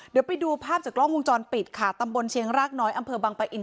เดี๋ยวไปดูภาพจากกล้องวงจรปิดค่ะตำบลเชียงรากน้อยอำเภอบังปะอิน